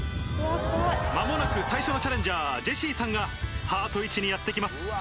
間もなく最初のチャレンジャージェシーさんがスタート位置にやって来ます。